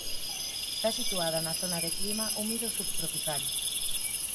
Está situada na zona de clima húmido subtropical.